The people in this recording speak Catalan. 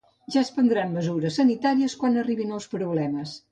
Ja es prendran mesures sanitàries quan arribin els problemes